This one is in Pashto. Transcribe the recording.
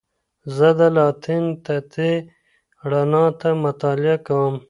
زه د لالټین تتې رڼا ته مطالعه کوم.